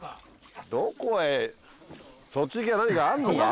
どこへそっち行きゃ何かあんのか？